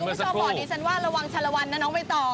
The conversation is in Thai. คุณผู้ชมบอกดิฉันว่าระวังชะละวันนะน้องใบตอง